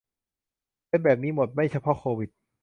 เป็นแบบนี้หมด ไม่เฉพาะโควิด